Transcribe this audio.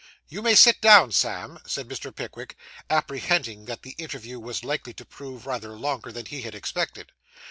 'You may sit down, Sam,' said Mr. Pickwick, apprehending that the interview was likely to prove rather longer than he had expected.